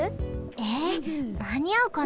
えまにあうかな。